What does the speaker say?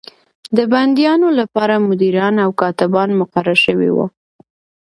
د بندیانو لپاره مدیران او کاتبان مقرر شوي وو.